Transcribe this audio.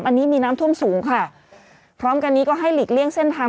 อันนี้มีน้ำท่วมสูงค่ะพร้อมกันนี้ก็ให้หลีกเลี่ยงเส้นทาง